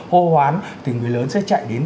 hô hoán thì người lớn sẽ chạy đến